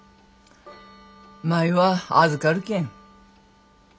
舞は預かるけん。